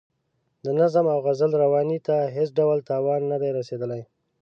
د نظم او غزل روانۍ ته هېڅ ډول تاوان نه دی رسیدلی.